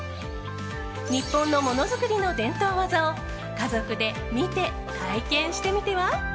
日本のものづくりの伝統技を家族で見て、体験してみては？